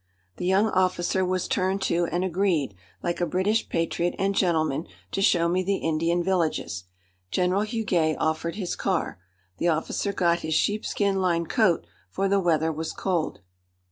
The young officer was turned to, and agreed, like a British patriot and gentleman, to show me the Indian villages. General Huguet offered his car. The officer got his sheepskin lined coat, for the weather was cold.